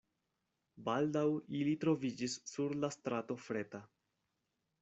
Baldaŭ ili troviĝis sur la strato Freta.